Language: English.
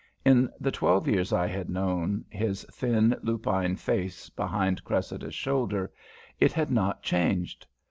In the twelve years I had known his thin lupine face behind Cressida's shoulder, it had not changed.